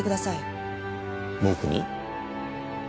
僕に？